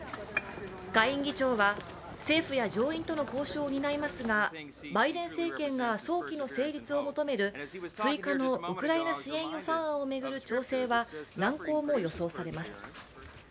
下院議長は政府や上院との交渉を担いますがバイデン政権が早期の成立を求める追加のウクライナ支援予算案を巡る調整は難航も予想されます。